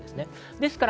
ですから